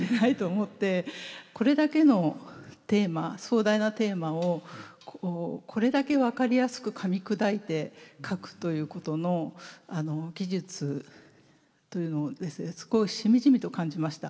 これだけのテーマ壮大なテーマをこれだけ分かりやすくかみ砕いて書くということの技術というのをしみじみと感じました。